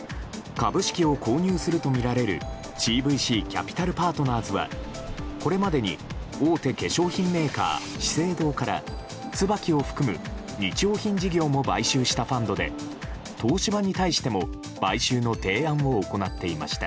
株式を購入するとみられるＣＶＣキャピタル・パートナーズはこれまでに大手化粧品メーカー、資生堂からＴＳＵＢＡＫＩを含む日用品事業も買収したファンドで東芝に対しても買収の提案を行っていました。